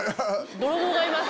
泥棒がいます。